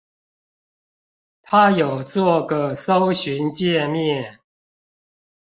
他有做個搜尋介面